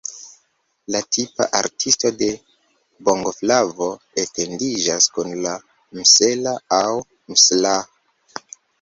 La tipa artisto de bongoflavo identiĝas kun la "msela" aŭ "mselah".